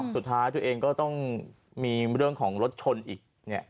สุดท้ายตัวเองก็ต้องมีเรื่องของรถชนอีก